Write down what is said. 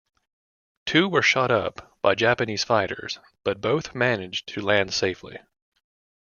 Two were shot up by Japanese fighters, but both managed to land safely.